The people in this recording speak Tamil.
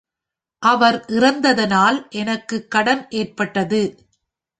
அவர் இறந்ததனால் எனக்குக் கடன் ஏற்பட்டது.